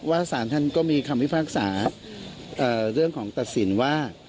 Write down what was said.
ว่าศาลท่านก็มีความวิภาคษาเรื่องของตัดสินว่า